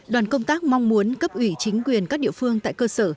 đoàn công tác mong muốn cấp ủy chính quyền các địa phương tại cơ sở